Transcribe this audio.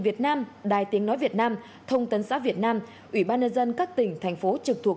việt nam đài tiếng nói việt nam thông tấn xã việt nam ủy ban nhân dân các tỉnh thành phố trực thuộc